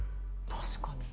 確かに。